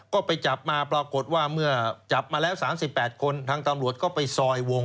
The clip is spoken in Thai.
ก็ไปจับมาปรากฏว่าเมื่อจับมาแล้ว๓๘คนทางตำรวจก็ไปซอยวง